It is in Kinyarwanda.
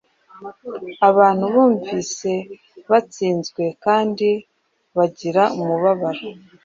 Abantu bumvise batsinzwe kandi bagira umubabaro. “